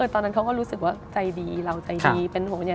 ตอนนั้นเขาก็รู้สึกว่าใจดีเราใจดีเป็นห่วงใหญ่